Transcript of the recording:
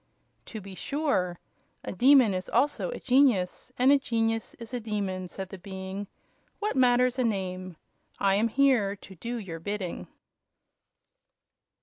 "To be sure. A demon is also a genius; and a genius is a demon," said the Being. "What matters a name? I am here to do your bidding."